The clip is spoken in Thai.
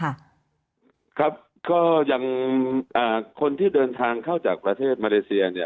ครับก็อย่างคนที่เดินทางเข้าจากประเทศมาเลเซีย